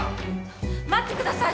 待ってください！